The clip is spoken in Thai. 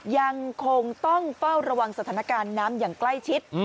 ยังคงต้องเฝ้าระวังสถานการณ์น้ำอย่างใกล้ชิด